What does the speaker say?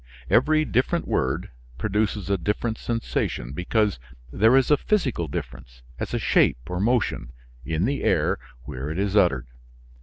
Every different word produces a different sensation because there is a physical difference, as a shape or motion, in the air where it is uttered.